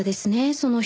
その人。